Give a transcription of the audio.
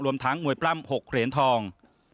ทั้งมวยปล้ำ๖เหรียญทอง